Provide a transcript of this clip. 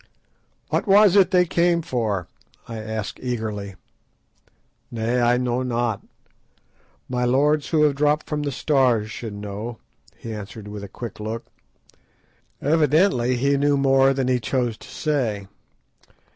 "What was it they came for?" I asked eagerly. "Nay, I know not. My lords who have dropped from the Stars should know," he answered with a quick look. Evidently he knew more than he chose to say.